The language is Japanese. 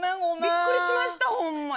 びっくりしましたホンマに。